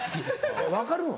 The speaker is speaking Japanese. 分かるの？